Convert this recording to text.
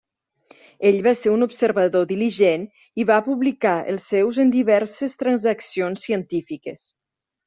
Ell va ser un observador diligent i va publicar els seus en diverses transaccions científiques.